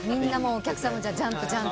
お客さんもジャンプジャンプ。